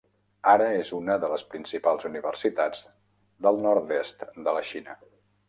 Ara és una de les principals universitats del nord-est de la Xina.